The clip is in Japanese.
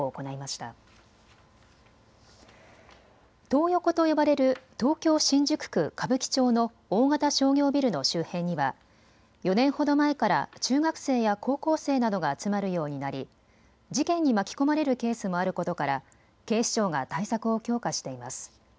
トー横と呼ばれる東京新宿区歌舞伎町の大型商業ビルの周辺には４年ほど前から中学生や高校生などが集まるようになり事件に巻き込まれるケースもあることから警視庁が対策を強化しています。